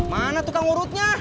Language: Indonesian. mana tukang urutnya